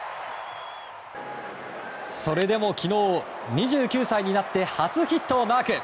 それでも昨日、２９歳になって初ヒットをマーク。